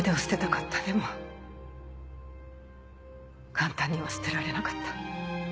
簡単には捨てられなかった。